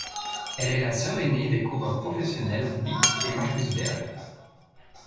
Elle est la sœur aînée des coureurs professionnels Beat et Markus Zberg.